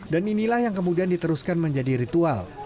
dan inilah yang kemudian diteruskan menjadi ritual